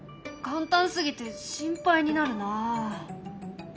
簡単すぎて心配になるな。